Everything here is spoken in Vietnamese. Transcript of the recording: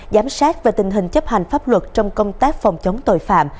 giám sát về tình hình chấp hành pháp luật trong công tác phòng chống tội phạm